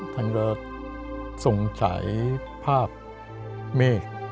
ท่านก็สงสัยภาพเมฆ